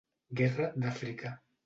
Guerra d'Àfrica.